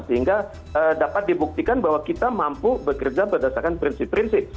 sehingga dapat dibuktikan bahwa kita mampu bekerja berdasarkan prinsip prinsip